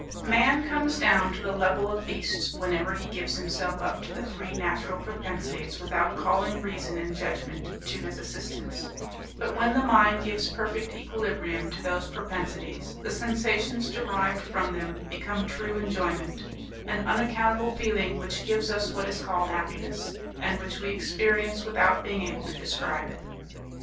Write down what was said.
Man comes down to the level of beasts whenever he gives himself up to the three natural propensities without calling reason and judgment to his assistance; but when the mind gives perfect equilibrium to those propensities, the sensations derived from them become true enjoyment, an unaccountable feeling which gives us what is called happiness, and which we experience without being able to describe it.